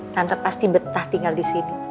tante pasti betah tinggal disini